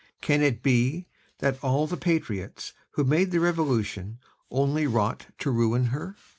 Can it be that all the patriots who made the Revolution only wrought to ruin her?